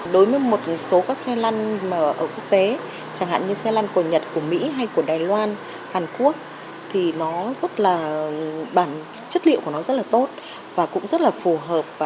đối với một số các xe lăn ở quốc tế chẳng hạn như xe lăn của nhật của mỹ hay của đài loan hàn quốc thì nó rất là bản chất liệu của nó rất là tốt và cũng rất là phù hợp